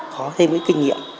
có thêm những kinh nghiệm